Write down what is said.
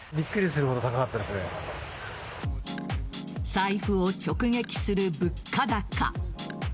財布を直撃する物価高。